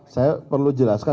saya perlu jelaskan